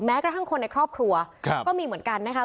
กระทั่งคนในครอบครัวก็มีเหมือนกันนะคะ